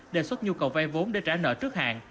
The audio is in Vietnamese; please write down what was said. đề xuất nhu cầu vay vốn để trả nợ trước hàng